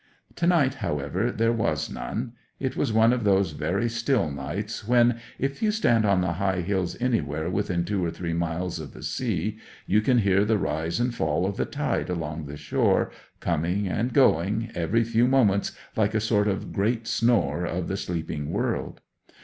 To night, however, there was none. It was one of those very still nights when, if you stand on the high hills anywhere within two or three miles of the sea, you can hear the rise and fall of the tide along the shore, coming and going every few moments like a sort of great snore of the sleeping world.